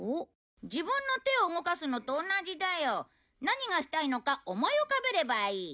自分の手を動かすのと同じだよ。何がしたいのか思い浮かべればいい。